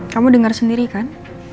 kamu dengar sendiri kan